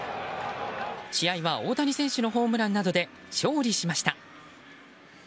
試合は大谷選手のホームランなどで勝利しました。